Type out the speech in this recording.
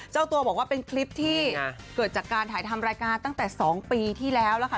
เจ้าตัวบอกว่าเป็นคลิปที่เกิดจากการถ่ายทำรายการตั้งแต่๒ปีที่แล้วแล้วค่ะ